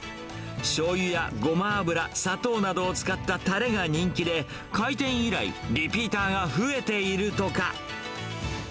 しょうゆやごま油、砂糖などを使ったたれが人気で、開店以来、リピーターが増えているとか。